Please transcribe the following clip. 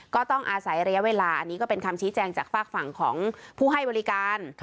ก็ต้องอาศัยระยะเวลาอันนี้ก็เป็นคำชี้แจงจากฝากฝั่งของผู้ให้บริการ